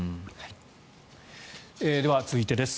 では続いてです。